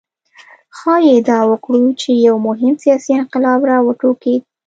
ښايي ادعا وکړو چې یو مهم سیاسي انقلاب راوټوکېد.